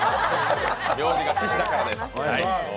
名字が岸だからです。